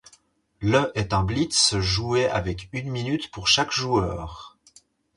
Le est un blitz joué avec une minute pour chaque joueur.